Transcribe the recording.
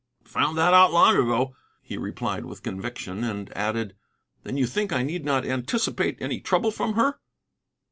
"Found that out long ago," he replied with conviction, and added: "Then you think I need not anticipate any trouble from her?"